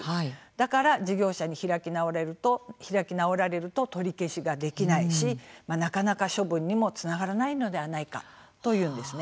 だから事業者に開き直られると取り消しができないしなかなか処分にもつながらないのではないかというんですね。